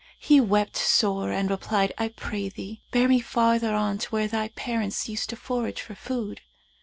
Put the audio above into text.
He wept sore and replied, 'I pray thee bear me farther on to where thy parents used to forage for food.'